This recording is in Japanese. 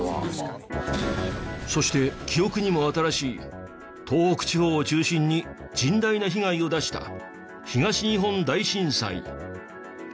そして記憶にも新しい東北地方を中心に甚大な被害を出した東日本大震災。